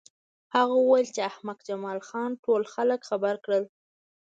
هغه وویل چې احمق جمال خان ټول خلک خبر کړل